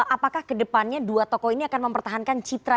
apakah kedepannya dua tokoh ini akan mempertahankan citra